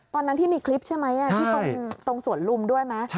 ตอนนั้นที่มีคลิปใช่ไหมที่ตรงสวนลุมด้วยไหม